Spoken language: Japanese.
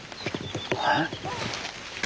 えっ。